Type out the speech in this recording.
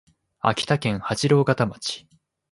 秋田県八郎潟町